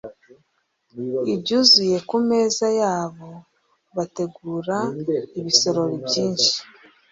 ibyuzuye ku meza yabo Bategura ibisorori byinshi